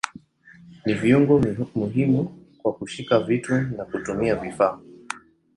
Ni viungo muhimu kwa kushika vitu na kutumia vifaa.